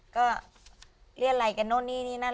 ก็เรียกอะไรกันนู่นนี่นี่นั่น